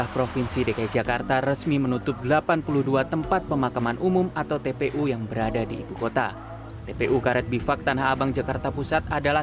pemakaman umum dki jakarta